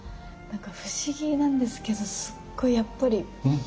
何か不思議なんですけどすっごい